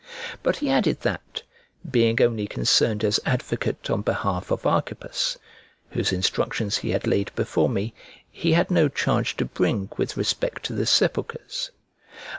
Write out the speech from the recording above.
But he added that, being only concerned as advocate on behalf of Archippus, whose instructions he had laid before me, he had no charge to bring with respect to the sepulchres.